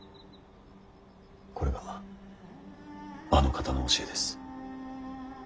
これがあの方の教えです。